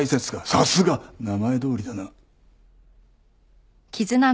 さすが名前どおりだな。